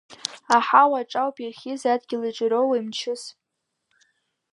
Аҳауаҿ ауп иахьиз, адгьылаҿ ироуеи мчыс?